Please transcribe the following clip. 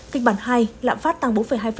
kịch bản hai lạm phát tăng bốn hai